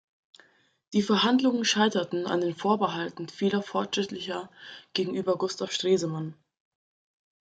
Die Verhandlungen scheiterten an den Vorbehalten vieler Fortschrittlicher gegenüber Gustav Stresemann.